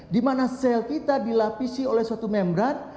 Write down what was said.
dimana sel kita dilapisi oleh suatu membran